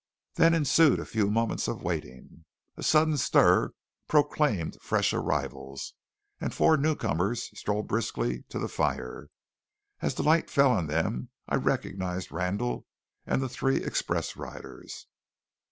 Then ensued a few moments of waiting. A sudden stir proclaimed fresh arrivals, and four newcomers strode briskly to the fire. As the light fell on them I recognized Randall and the three express riders.